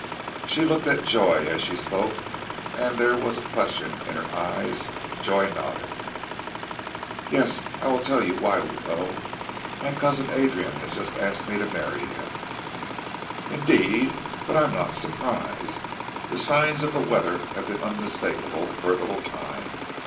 She looked at Joy, as she spoke, and there was a question in her eyes. Joy nodded. "Yes, I will tell you why we go. My cousin Adrian has just asked me to marry him " "Indeed! But I am not surprised. The signs of the weather have been unmistakable for a little time.